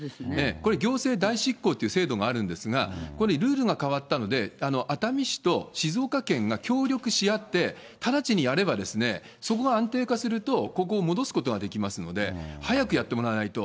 これ、行政代執行という制度があるんですが、これ、ルールが変わったので、熱海市と静岡県が協力し合って、直ちにやれば、そこが安定化すると、ここを戻すことができますので、早くやってもらわないと。